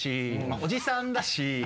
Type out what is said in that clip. おじさんだし。